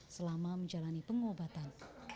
selama menjalani pengobatan